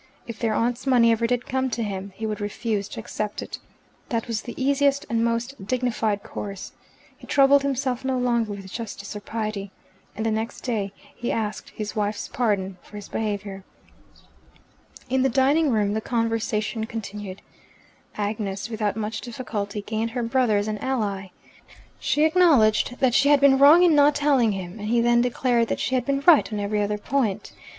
If their aunt's money ever did come to him, he would refuse to accept it. That was the easiest and most dignified course. He troubled himself no longer with justice or pity, and the next day he asked his wife's pardon for his behaviour. In the dining room the conversation continued. Agnes, without much difficulty, gained her brother as an ally. She acknowledged that she had been wrong in not telling him, and he then declared that she had been right on every other point.